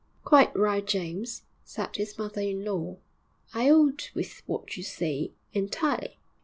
'Quite right, James,' said his mother in law; 'I 'old with what you say entirely.'